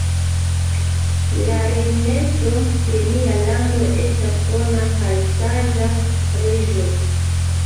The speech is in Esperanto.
La regnestro de nia lando estas bona kaj saĝa reĝo.